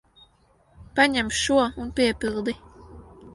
Paņem šo un piepildi.